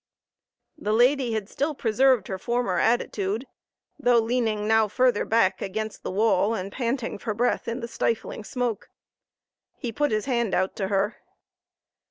The lady had still preserved her former attitude, though leaning now further back against the wall and panting for breath in the stifling smoke. He put his hand out to her.